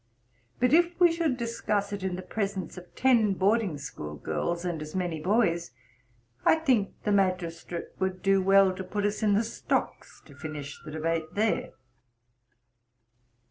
But if we should discuss it in the presence of ten boarding school girls, and as many boys, I think the magistrate would do well to put us in the stocks, to finish the debate there.'